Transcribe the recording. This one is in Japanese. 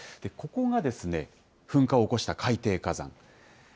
ここが噴火を起こした海底火山。